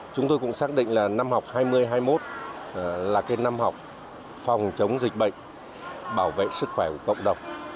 chúng tôi cũng xác định là năm học hai nghìn hai mươi một là cái năm học phòng chống dịch bệnh bảo vệ sức khỏe của cộng đồng